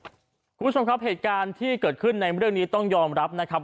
คุณผู้ชมครับเหตุการณ์ที่เกิดขึ้นในเรื่องนี้ต้องยอมรับนะครับ